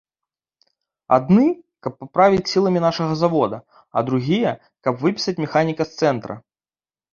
Адны, каб паправіць сіламі нашага завода, а другія, каб выпісаць механіка з цэнтра.